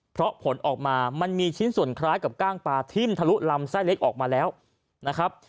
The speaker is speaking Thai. เพราะผลออกมามันมีชิ้นส่วนคล้ายกับกล้างปลาทิ่มทะลุลำไส้เล็กออกมาแล้วนะครับ